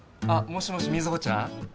あっもしもしミズホちゃん？